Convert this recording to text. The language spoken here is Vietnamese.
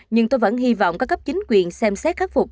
nhưng tôi vẫn hy vọng các cấp chính quyền xem xét khắc phục